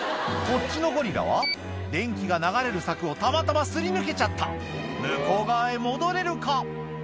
こっちのゴリラは電気が流れる柵をたまたま擦り抜けちゃった向こう側へ戻れるか？